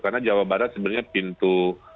karena jawa barat sebenarnya pintu